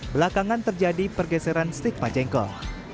belakangan terjadi pergeseran stigma jengkol